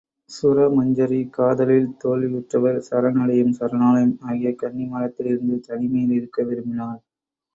சுரமஞ்சரி காதலில் தோல்வியுற்றவர் சரண் அடையும் சரணாலயம் ஆகிய கன்னிமாடத்தில் இருந்து தனிமையில் இருக்க விரும்பினாள்.